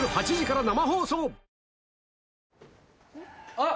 あっ！